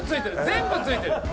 全部ついてる。